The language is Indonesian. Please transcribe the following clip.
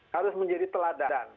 harus menjadi teladan